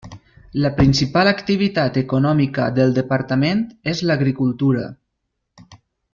La principal activitat econòmica del departament és l'agricultura.